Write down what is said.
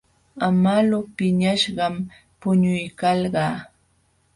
Amalu piñaśhqam puñuykalqa.